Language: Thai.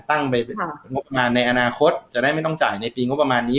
ตั้งไปงบงานในอนาคตจะได้ไม่ต้องจ่ายในปีงบประมาณนี้